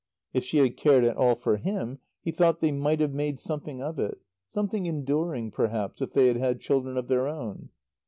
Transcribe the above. If she had cared at all for him he thought they might have made something of it, something enduring, perhaps, if they had had children of their own.